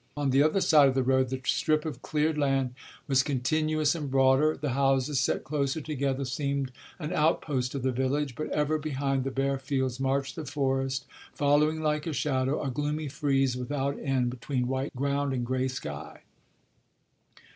On the other side of the road the strip of cleared land was continuous and broader; the houses, set closer together, seemed an outpost of the village; but ever behind the bare fields marched the forest, following like a shadow, a gloomy frieze without end between white ground and gray sky.